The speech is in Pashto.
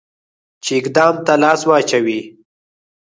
چې اقدام ته لاس واچوي.